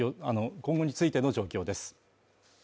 今後についての状況です。